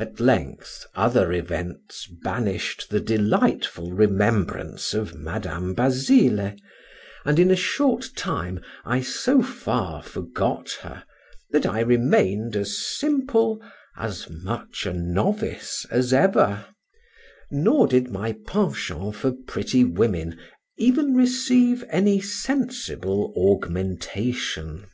At length, other events banished the delightful remembrance of Madam Basile; and in a short time I so far forgot her, that I remained as simple, as much a novice as ever, nor did my penchant for pretty women even receive any sensible augmentation.